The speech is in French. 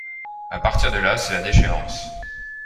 À partir de là, c'est la déchéance.